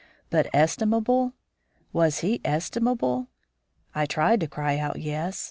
But estimable! Was he estimable? I tried to cry out yes!